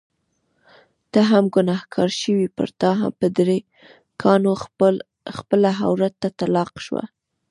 ته هم ګنهګار شوې، پرتا هم په درې کاڼو خپله عورته طلاقه شوه.